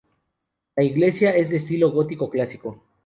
La iglesia es de estilo gótico clásico.